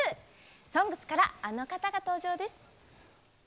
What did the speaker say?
「ＳＯＮＧＳ」からあの方が登場です。